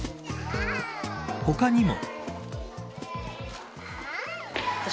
他にも。